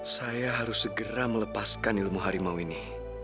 saya harus segera melepaskan ilmu harimau ini